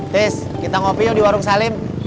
terus kita ngopi yuk di warung salim